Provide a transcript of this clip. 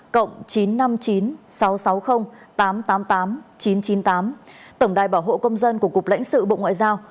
cộng chín trăm năm mươi chín sáu trăm sáu mươi tám trăm tám mươi tám chín trăm chín mươi tám tổng đài bảo hộ công dân của cục lãnh sự bộ ngoại giao